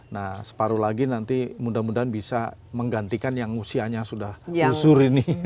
nah separuh lagi nanti mudah mudahan bisa menggantikan yang usianya sudah usur ini